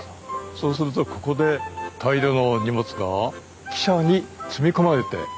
そうするとここで大量の荷物が汽車に積み込まれて運ばれていった。